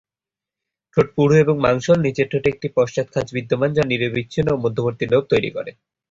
ঠোঁট পুরু ও মাংসল, নিচের ঠোঁটে একটি পশ্চাৎ খাঁজ বিদ্যমান যা নিরবচ্ছিন্ন এবং মধ্যবর্তী লোব তৈরি করে।